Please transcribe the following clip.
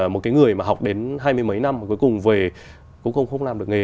một cái người mà học đến hai mươi mấy năm mà cuối cùng về cũng không làm được nghề